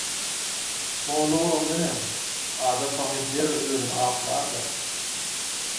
Mоlla bоlaňda nämе, adam pahyr dеrrеw özüni aklar-da: